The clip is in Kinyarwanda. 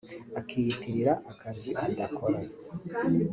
akiyitirira akazi adakora